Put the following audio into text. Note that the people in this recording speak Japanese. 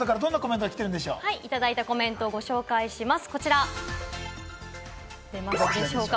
いただいたコメントをご紹介します。